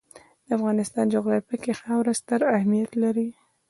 د افغانستان جغرافیه کې خاوره ستر اهمیت لري.